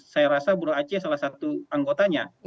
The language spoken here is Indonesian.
saya rasa buruh aceh salah satu anggotanya